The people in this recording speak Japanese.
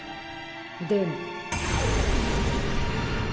でも。